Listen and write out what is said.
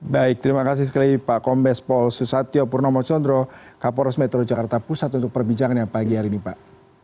baik terima kasih sekali pak kombes paul susatyo purnomo condro kapolros metro jakarta pusat untuk perbincangan yang pagi hari ini pak